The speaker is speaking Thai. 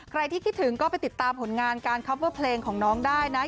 ใครที่คิดถึงก็ไปติดตามผลงานการคอปเวอร์เพลงของน้องได้นะ